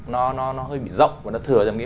nó hơi bị rộng và nó thừa ra một cái